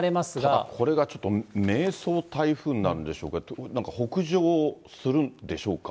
ただこれが、ちょっと迷走台風になるんでしょうか、なんか北上するんでしょう